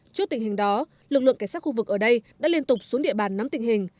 trước tình hình đó lực lượng cảnh sát khu vực ở đây đã liên tục xuống địa bàn nắm tình hình